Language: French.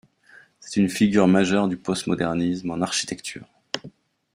C'est une figure majeure du postmodernisme en architecture.